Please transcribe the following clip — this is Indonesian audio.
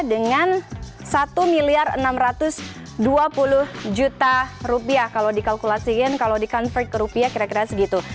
dengan satu miliar enam ratus dua puluh juta rupiah kalau dikalkulasikan kalau di convert ke rupiah kira kira segitu